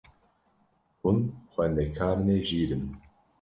Hûn xwendekarine jîr in.